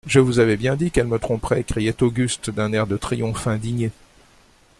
Je vous avais bien dit qu'elle me tromperait ! criait Auguste d'un air de triomphe indigné.